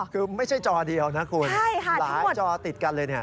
คือไม่ใช่จอเดียวนะคุณหลายจอติดกันเลย